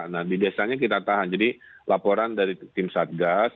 nah di desanya kita tahan jadi laporan dari tim satgas